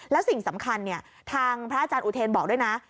แล้วสิ่งสำคัญทางพระอาจารย์อุเทนบอกด้วยนะ